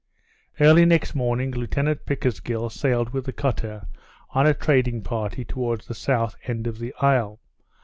Early next morning, Lieutenant Pickersgill sailed with the cutter, on a trading party, toward the south end of the isle.